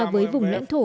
với vùng lãnh thổ